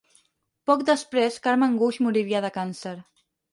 Poc després, Carme Enguix moriria de càncer.